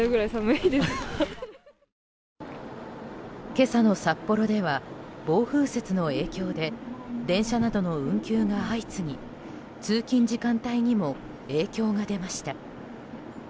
今朝の札幌では暴風雪の影響で電車などの運休が相次ぎ通勤時間帯にも影響が出ました。